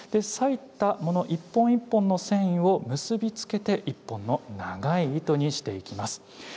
裂いたもの一本一本の繊維を結び付けて１本の長い糸にしていきます。